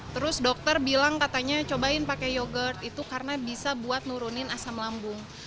terus dokter bilang katanya cobain pakai yogurt itu karena bisa buat nurunin asam lambung